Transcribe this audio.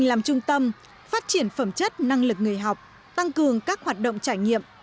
làm trung tâm phát triển phẩm chất năng lực người học tăng cường các hoạt động trải nghiệm